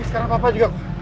sekarang papa juga